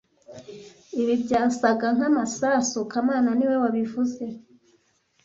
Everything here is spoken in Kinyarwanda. Ibi byasaga nkamasasu kamana niwe wabivuze